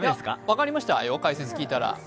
分かりましたよ、解説聞いたら。